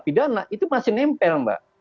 pidana itu masih nempel mbak